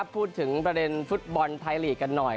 พูดถึงประเด็นฟุตบอลไทยลีกกันหน่อย